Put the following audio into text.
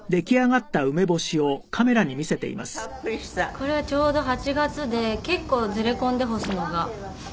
これはちょうど８月で結構ずれ込んで干すのが。